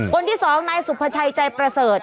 คนที่สองนายสุภาชัยใจประเสริฐ